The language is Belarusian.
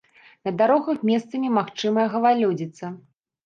На дарогах месцамі магчымая галалёдзіца.